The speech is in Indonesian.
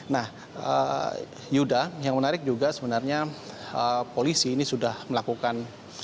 nah yuda yang menarik juga sebenarnya polisi ini sudah melakukan